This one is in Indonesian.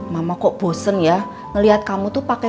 mama kok bosen ya ngeliat kamu tuh pakai